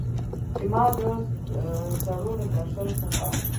چې ما د سړو له درشل څخه